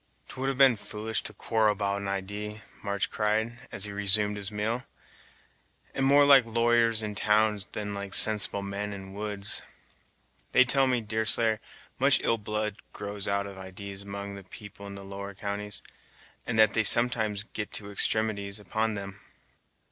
"'T would have been foolish to quarrel about an idee," March cried, as he resumed his meal, "and more like lawyers in the towns than like sensible men in the woods. They tell me, Deerslayer, much ill blood grows out of idees among the people in the lower counties, and that they sometimes get to extremities upon them."